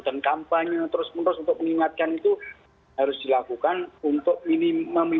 dan kampanye terus menerus untuk mengingatkan itu harus dilakukan untuk minim